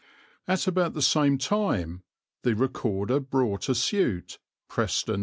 At about the same time the Recorder brought a suit (Preston _v.